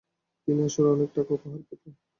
তিনি আসরে অনেক টাকা উপহার পেতেন।